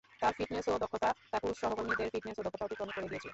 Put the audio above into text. তার ফিটনেস ও দক্ষতা তার পুরুষ সহকর্মীদের ফিটনেস ও দক্ষতা অতিক্রম করে গিয়েছিল।